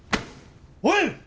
おい！